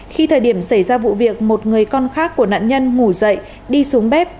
khi thời điểm xảy ra vụ việc một người con khác của nạn nhân ngủ dậy đi xuống bếp